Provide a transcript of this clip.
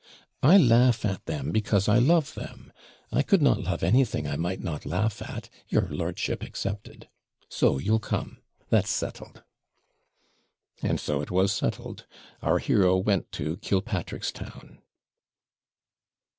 'I laugh at them, because I love them. I could not love anything I might not laugh at your lordship excepted. So you'll come that's settled.' And so it was settled. Our hero went to Killpatrickstown.